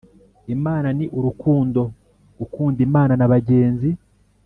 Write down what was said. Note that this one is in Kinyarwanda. Imana ni urukundo gukunda imana na bagenzi